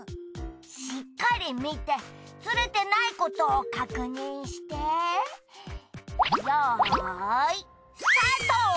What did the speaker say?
しっかり見てずれてないことを確認してよいスタート！